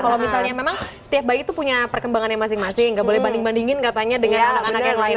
kalau misalnya memang setiap bayi itu punya perkembangan yang masing masing nggak boleh banding bandingin katanya dengan anak anak yang lain